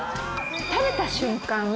食べた瞬間